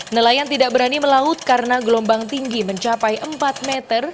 nelayan tidak berani melaut karena gelombang tinggi mencapai empat meter